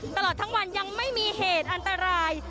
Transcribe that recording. ตลอดทั้งวันยังไม่มีเหตุอันตราย